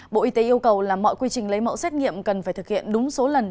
bộ y tế yêu cầu là mọi quy trình lấy mẫu xét nghiệm cần phải thực hiện đúng số lần